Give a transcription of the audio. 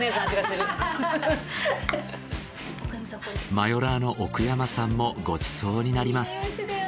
マヨラーの奥山さんもごちそうになります。